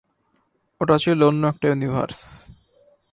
ওটা ছিল অন্য একটা ইউনিভার্স।